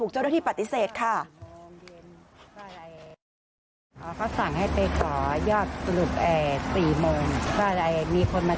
ใช้ให้มาครับป้าบอกได้มั้ยใช้ให้มา